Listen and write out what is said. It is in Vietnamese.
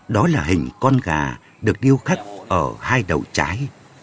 đó là hình con gà được điêu khắc ở hai đầu trái